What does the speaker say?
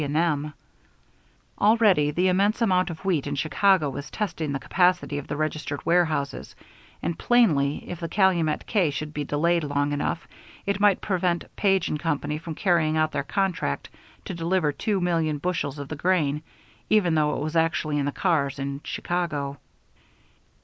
& M. Already the immense amount of wheat in Chicago was testing the capacity of the registered warehouses, and plainly, if the Calumet K should be delayed long enough, it might prevent Page & Company from carrying out their contract to deliver two million bushels of the grain, even though it were actually in the cars in Chicago.